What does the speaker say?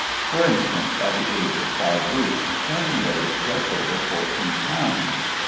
For instance, at the age of five weeks Finn weighed just over fourteen pounds.